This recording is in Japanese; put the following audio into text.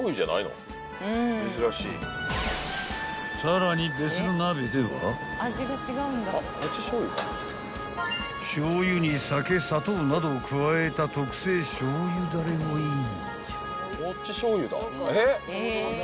［さらに］［しょうゆに酒砂糖などを加えた特製しょうゆだれをイン］